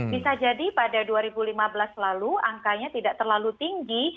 bisa jadi pada dua ribu lima belas lalu angkanya tidak terlalu tinggi